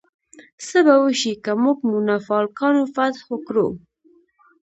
څه به وشي که موږ مونافالکانو فتح کړو؟